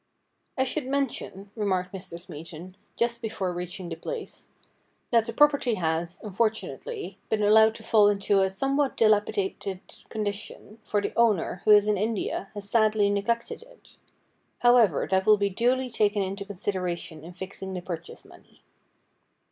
' I should mention,' remarked Mr. Smeaton, just before reaching the place, ' that the property has, unfortunately been allowed to fall into a somewhat dilapidated condition, for the owner, who is in India, has sadly neglected it. How ever, that will be duly taken into consideration in fixing tbe purchase money.'